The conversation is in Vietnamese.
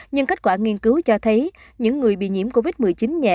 nhưng kết quả nghiên cứu cho thấy những người bị nhiễm covid một mươi chín nhẹ